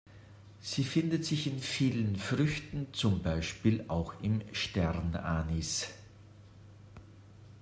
Sie findet sich in vielen Früchten, zum Beispiel auch im Sternanis.